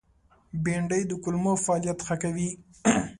بېنډۍ د کولمو فعالیت ښه کوي